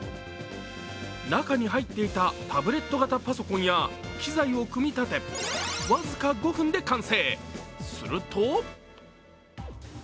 中に入っていたタブレット型パソコンや機材を組み立て、わずか５分で完成。